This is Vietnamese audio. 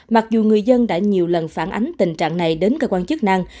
mặc dù người dân đã nhiều lần phản ánh tình trạng này đến cơ quan chức năng